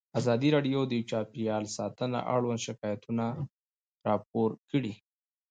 ازادي راډیو د چاپیریال ساتنه اړوند شکایتونه راپور کړي.